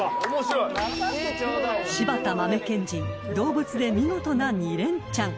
［柴田豆賢人動物で見事な２連チャン］